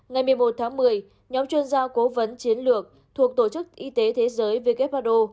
ngày một mươi một tháng một mươi nhóm chuyên gia cố vấn chiến lược thuộc tổ chức y tế thế giới who